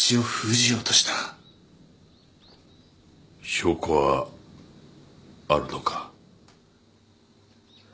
証拠はあるのか？